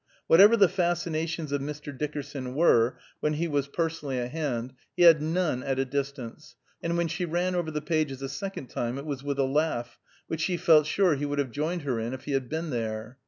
Whatever the fascinations of Mr. Dickerson were when he was personally at hand, he had none at a distance, and when she ran over the pages a second time, it was with a laugh, which she felt sure he would have joined her in, if he had been there.